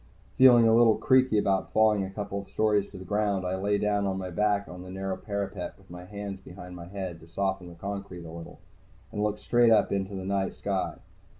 Feeling a little creaky about falling a couple stories to the ground, I lay down on my back on the narrow parapet, with my hands behind my head to soften the concrete a little, and looked straight up into the night sky.